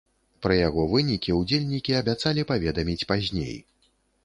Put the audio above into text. Пра яго вынікі ўдзельнікі абяцалі паведаміць пазней.